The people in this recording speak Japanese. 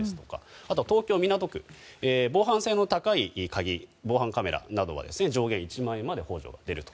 あと、東京・港区防犯性の高い鍵や防犯カメラなどは上限１万円まで補助が出ると。